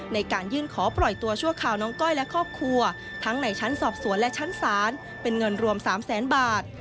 ในการยื่นขอปล่อยตัวชั่วคราวน้องก้อยและครอบครัวทั้งในชั้นสอบสวนและชั้นศาลเป็นเงินรวม๓แสนบาท